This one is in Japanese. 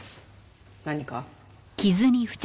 何か？